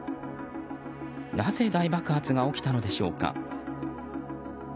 なぜ大爆発が起きたのでしょうか。